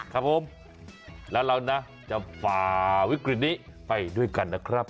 ครับผมแล้วเรานะจะฝ่าวิกฤตนี้ไปด้วยกันนะครับ